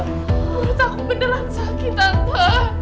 perut aku beneran sakit tante